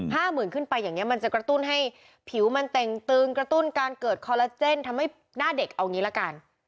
หมื่นขึ้นไปอย่างเงี้มันจะกระตุ้นให้ผิวมันเต่งตึงกระตุ้นการเกิดคอลลาเจนทำให้หน้าเด็กเอางี้ละกัน